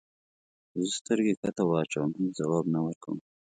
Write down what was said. زه سترګې کښته واچوم هیڅ ځواب نه ورکوم.